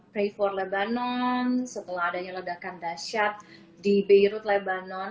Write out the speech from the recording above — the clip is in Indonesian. free for lebanon setelah adanya legakan dasyat di beirut lebanon